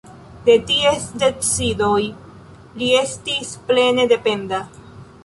De ties decidoj li estis plene dependa.